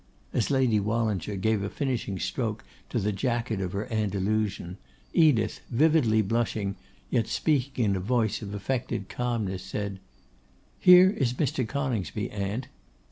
As Lady Wallinger gave a finishing stroke to the jacket of her Andalusian, Edith, vividly blushing, yet speaking in a voice of affected calmness, said, 'Here is Mr. Coningsby, aunt.